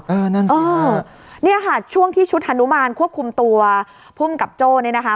เออนั่นสิเนี่ยค่ะช่วงที่ชุดฮานุมานควบคุมตัวภูมิกับโจ้เนี่ยนะคะ